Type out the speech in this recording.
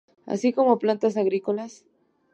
Así como plantas agrícolas.